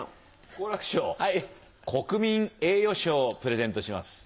好楽師匠国民栄誉賞をプレゼントします。